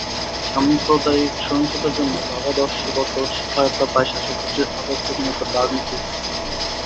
সাম্প্রদায়িক সহিংসতার জন্য ভাবাদর্শগত সহায়তা পায় শাসকগোষ্ঠীর আদর্শহীনতার রাজনীতির কাছ থেকে।